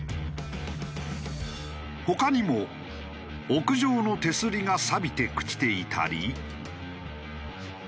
他にも屋上の手すりがさびて朽ちていたり。